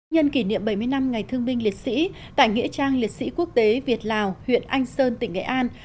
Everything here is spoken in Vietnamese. nhân kỷ niệm bảy mươi năm ngày thương binh liệt sĩ tại nghĩa trang liệt sĩ quốc tế việt lào huyện anh sơn tỉnh nghệ an